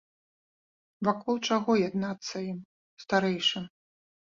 Вакол чаго яднацца ім, старэйшым?